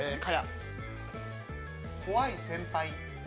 怖い先輩。